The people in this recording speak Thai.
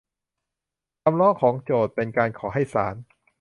คำร้องของโจทก์ เป็นการขอให้ศาล